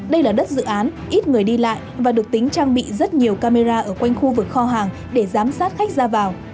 đây là đất dự án ít người đi lại và được tính trang bị rất nhiều camera ở quanh khu vực kho hàng để giám sát khách ra vào